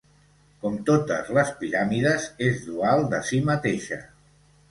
Com totes les piràmides, és dual de si mateixa.